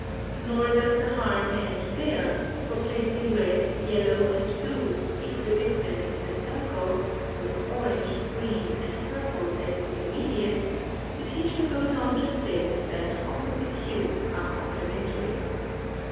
Nor does the harm end there, for placing red, yellow, and blue equidistant in a circle, with orange, green, and purple as intermediates, the teacher goes on to state that opposite hues are complementary.